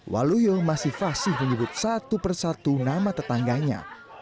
waluyo masih fasih menyebut satu persatu nama tetangganya